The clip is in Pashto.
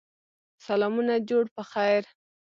سلامونه جوړ په خیر!